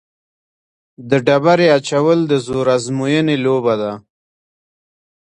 د ډبرې اچول د زور ازموینې لوبه ده.